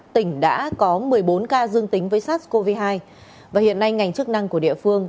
tỉnh đã có một mươi bốn ca dương tính với sars cov hai và hiện nay ngành chức năng của địa phương